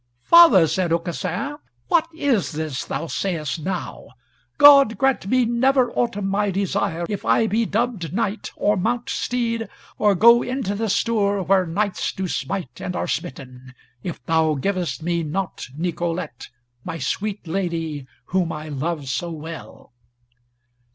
"Father," said Aucassin, "what is this thou sayest now? God grant me never aught of my desire, if I be dubbed knight, or mount steed, or go into the stour where knights do smite and are smitten, if thou givest me not Nicolete, my sweet lady, whom I love so well."